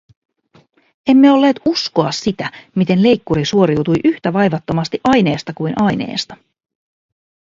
Emme olleet uskoa sitä, miten leikkuri suoriutui yhtä vaivattomasti aineesta kuin aineesta.